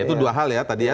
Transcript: itu dua hal ya tadi ya